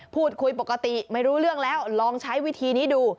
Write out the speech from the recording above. พูดคุยปกติไม่รู้เรื่องแล้วลองใช้วิธีนี้ดู